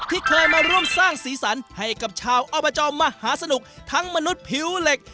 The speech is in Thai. ที่เคยมาร่วมสร้างสีสันให้กับชาวอบจมหาสนุกทั้งมนุษย์ผิวเหล็ก